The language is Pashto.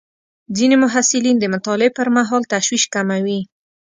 ځینې محصلین د مطالعې پر مهال تشویش کموي.